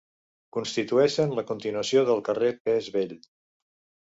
Constitueixen la continuació del carrer Pes Vell.